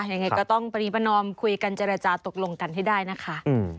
ยังไงก็ต้องปรีประนอมคุยกันเจรจาตกลงกันให้ได้นะคะ